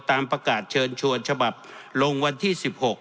ตามประกาศเชิญชวนฉบับลงวันที่๑๖